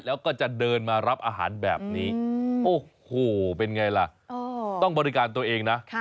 แล้วก็จะเดินมารับอาหารแบบนี้โอ้โหเป็นไงล่ะต้องบริการตัวเองนะ